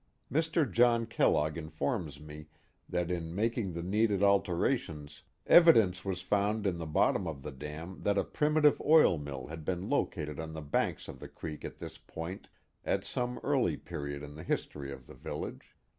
Mr. John Kellogg informs me that in making the needed alterations evidence was found in the bottom of the dam that a primitive oil mill had been located on the banks of the creek at this point at some early period in the history of the village.